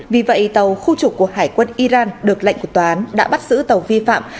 vì vậy tàu khu trục của hải quân iran được lệnh của tòa án đã bắt giữ tàu vi phạm